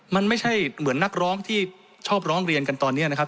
มันไม่ใช่เหมือนนักร้องที่ชอบร้องเรียนกันตอนนี้นะครับ